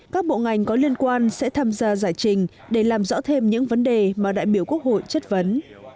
các bộ ngành có liên quan sẽ tham gia giải trình để làm rõ thêm những vấn đề mà đại biểu quốc hội chất vấn